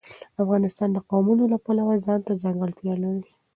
افغانستان د قومونه د پلوه ځانته ځانګړتیا لري.